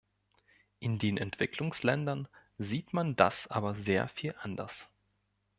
In den Entwicklungsländern sieht man das aber sehr viel anders.